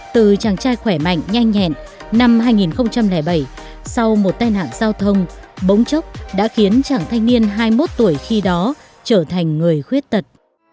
từ chàng trai khỏe mạnh nhanh nhẹn năm hai nghìn bảy sau một tai nạn giao thông bỗng chốc đã khiến chàng thanh niên hai mươi một tuổi khi đó trở thành người khuyết tật